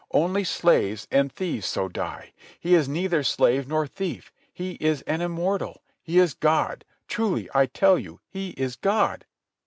Only slaves and thieves so die. He is neither slave nor thief. He is an immortal. He is God. Truly I tell you He is God."